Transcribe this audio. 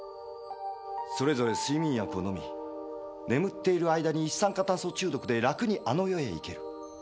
それぞれ睡眠薬を飲み「眠ってる間に一酸化炭素中毒で楽にあの世に逝ける」。